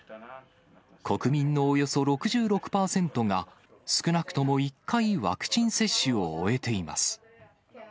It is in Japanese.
国民のおよそ６６％が、少なくとも１回ワクチン接種を終えています。